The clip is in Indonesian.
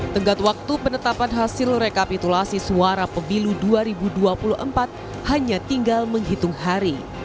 tenggat waktu penetapan hasil rekapitulasi suara pemilu dua ribu dua puluh empat hanya tinggal menghitung hari